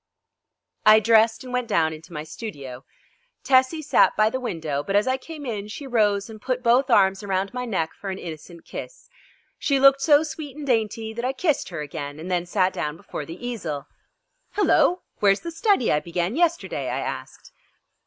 I dressed and went down into my studio. Tessie sat by the window, but as I came in she rose and put both arms around my neck for an innocent kiss. She looked so sweet and dainty that I kissed her again and then sat down before the easel. "Hello! Where's the study I began yesterday?" I asked.